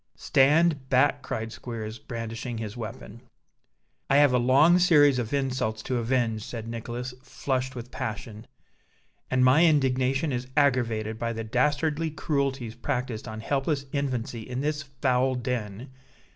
"Stand back!" cried Squeers, brandishing his weapon. "I have a long series of insults to avenge," said Nicholas, flushed with passion; "and my indignation is aggravated by the dastardly cruelties practised on helpless infancy in this foul den.